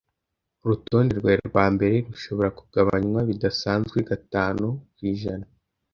Urutonde rwawe rwambere rushobora kugabanywa bidasanzwe gatanu%.